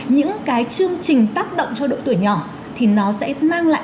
những cái chương trình tác động cho độ tuổi nhỏ thì nó sẽ mang lại